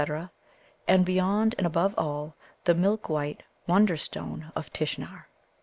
and, beyond and above all, the milk white Wonderstone of Tishnar.